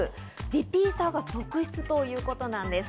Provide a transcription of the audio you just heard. リピーターが続出ということなんです。